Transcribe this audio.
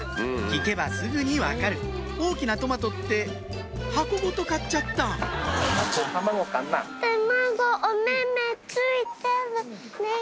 聞けばすぐに分かる大きなトマトって箱ごと買っちゃったたまご。